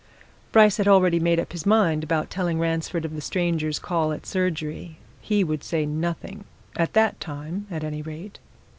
Bryce had already made up his mind about telling Ransford of the stranger's call at the surgery. He would say nothing at that time at any rate.